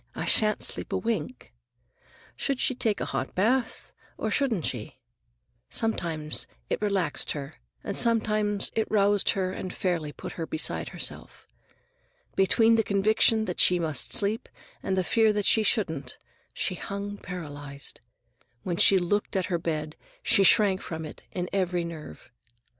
I shan't sleep a wink." Should she take a hot bath, or shouldn't she? Sometimes it relaxed her, and sometimes it roused her and fairly put her beside herself. Between the conviction that she must sleep and the fear that she couldn't, she hung paralyzed. When she looked at her bed, she shrank from it in every nerve.